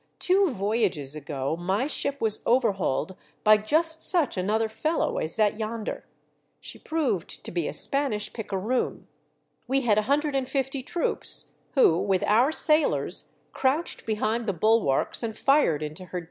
Two voyages ago my ship was overhauled by just such another fellow as that yonder ; she proved to be a Spanish picaroon. We had a hundred and fifty troops who, with our sailors, crouched bsblnd the bulwarks and tired into her WE SIGHT A SAIL.